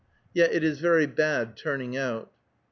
Yet it is very bad turning out.